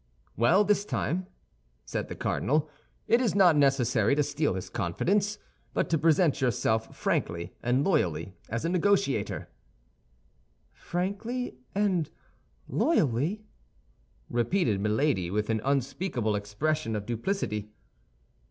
"Well, this time," said the cardinal, "it is not necessary to steal his confidence, but to present yourself frankly and loyally as a negotiator." "Frankly and loyally," repeated Milady, with an unspeakable expression of duplicity.